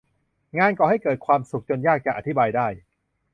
งานก่อให้เกิดความสุขจนยากจะอธิบายได้